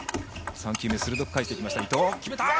３球目、鋭く返していきました、伊藤。